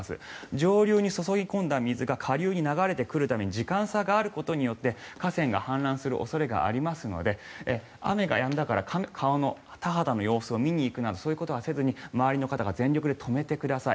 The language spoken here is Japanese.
上流に注ぎ込んだ水が下流に流れてくるまでに時間差があることによって河川が氾濫する恐れがありますので雨がやんだから川の、田畑の様子を見に行くなどそういうことはせずに周りの方が全力で止めてください。